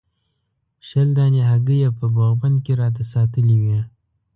شل دانې هګۍ یې په بوغ بند کې راته ساتلې وې.